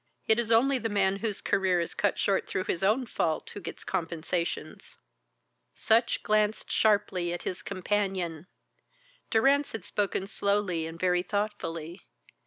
It is only the man whose career is cut short through his own fault who gets compensations." Sutch glanced sharply at his companion. Durrance had spoken slowly and very thoughtfully.